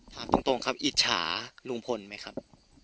ถามตรงครับอิจฉาลุงพลไหมครับ